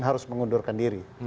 harus mengundurkan diri